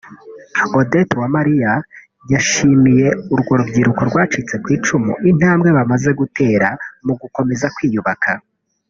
Odette Uwamariya yashimiye urwo rubyiruko rwacitse ku icumu intambwe bamaze gutera mu gukomeza kwiyubaka